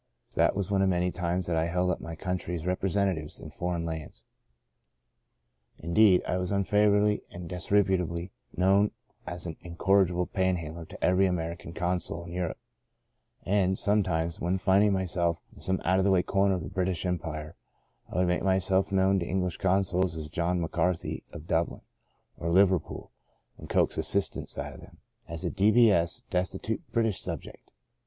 That was one of many times that I held up my country's representatives in foreign lands. Indeed, I was unfavourably and disreputably known as an incorrigible panhandler to every American consul in Europe. And, sometimes, when finding myself in some out of the way corner of the British Empire, I would make myself known to English consuls as John McCarthy of Dublin, or Liverpool, and coax assistance out of them as a D. B. S — destitute British subject.